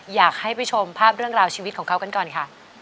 อยากให้ไปชมภาพเรื่องราวชีวิตของเขากันก่อนค่ะ